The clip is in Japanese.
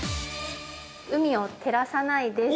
◆海を照らさないです。